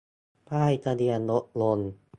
ป้ายทะเบียนรถยนต์